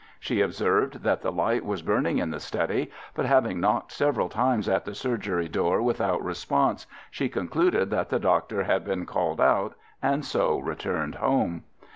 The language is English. She observed that the light was burning in the study, but having knocked several times at the surgery door without response, she concluded that the doctor had been called out, and so returned home.